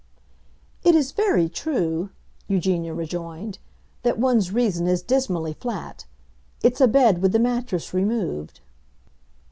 "It is very true," Eugenia rejoined, "that one's reason is dismally flat. It's a bed with the mattress removed."